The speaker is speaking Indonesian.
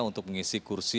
untuk mengisi kursus